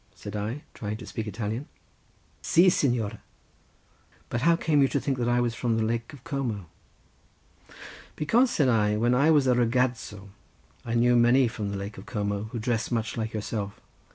said I, trying to speak Italian. "Si, signore! but how came you to think that I was from the Lake of Como?" "Because," said I, "when I was a ragazzo I knew many from the Lake of Como, who dressed much like yourself.